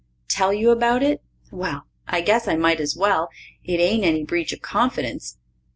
Tell you about it? Well, I guess I might as well. It ain't any breach of confidence.